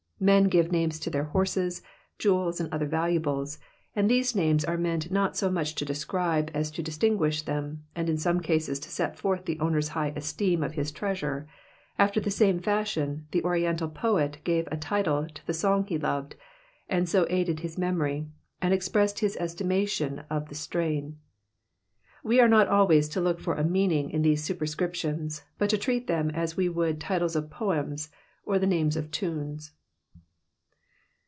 Jitn gice mnmes to their honies. je*ceis, amd cfher vahuAies, and these names are mearU noi so muck to describe as to distin^ish tkem^ amd m some eases to set forth ih^ oicners high esteem ce hvt treasure ; aper the same faMom the Oriadal poet gate a tiUe to the song he ioved, amd so aided his mewtory, ami tiprissed Ids estimation of the strain. We are n^A always to look for a meant^ in tkae s^tperscriptions^ Imt to treat them as we would the titles cf poems, or the names of tunes.